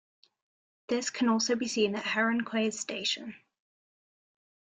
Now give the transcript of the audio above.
This can also be seen at Heron Quays station.